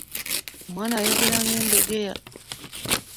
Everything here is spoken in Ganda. Omwana ayogera ng'endegeya.